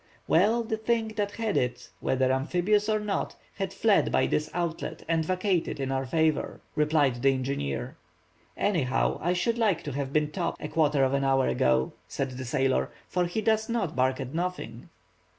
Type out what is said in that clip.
"Well, the thing that had it, whether amphibious or not, has fled by this outlet and vacated in our favor," replied the engineer. "Any how, I should like to have been Top a quarter of an hour ago," said the sailor, "for he does not bark at nothing."